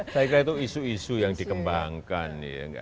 saya kira itu isu isu yang dikembangkan